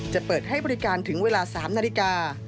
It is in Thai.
จะเปิดให้บริการถึงเวลา๓นาฬิกา